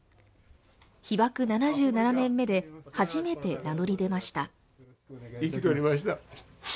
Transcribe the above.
被爆７７年目で初めて名乗り出ました。